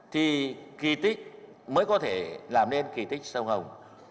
thì kỳ tích mới có thể làm nên kỳ tích sông hồng